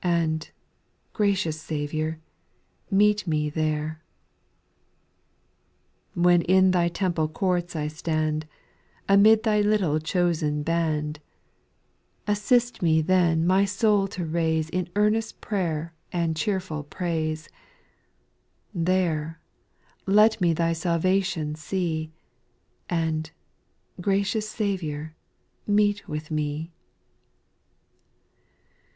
And, gracious Saviour, meet me there, 8. When in Thy temple courts I stand, Amid Thy little chosen band, SPIRITUAL SONGS. 281 Assist me then my soul to raise In earnest prayer and clieerful praise ; Tliere let me Thy salvation see, And, gracious Saviour, meet with me.